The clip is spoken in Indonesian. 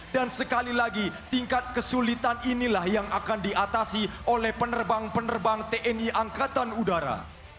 dan sekali lagi tingkat kesulitan inilah yang akan diatasi oleh penerbang penerbang tni angkatan udara